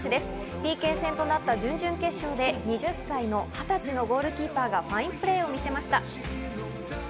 ＰＫ戦となった準々決勝で２０歳のゴールキーパーがファインプレーを見せました。